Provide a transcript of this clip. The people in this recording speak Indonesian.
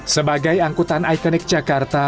sebagai angkutan ikonik jakarta